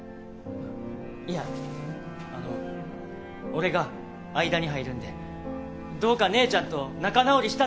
いやあの俺が間に入るんでどうか姉ちゃんと仲直りしたって